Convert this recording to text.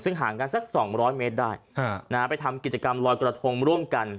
ซึ่งห่างกันสัก๒๐๐เมตรได้ไปทำกิจกรรมลอยกระทงร่วมกัน